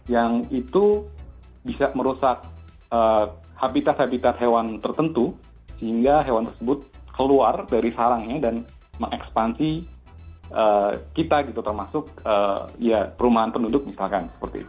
yang itu bisa merusak habitat habitat hewan tertentu sehingga hewan tersebut keluar dari sarangnya dan mengekspansi kita gitu termasuk perumahan penduduk misalkan